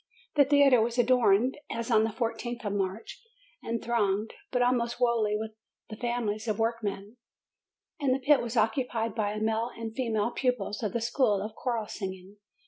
The theatre was adorned as on the I4th of March, and thronged, but almost wholly with the families of workmen; and the pit was occupied by the male and female pupils of the school of choral singing.